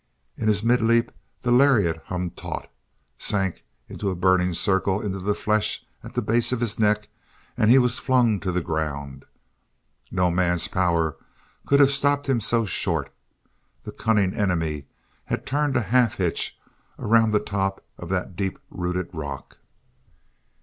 In his mid leap the lariat hummed taut, sank in a burning circle into the flesh at the base of his neck, and he was flung to the ground. No man's power could have stopped him so short; the cunning enemy had turned a half hitch around the top of that deep rooted rock.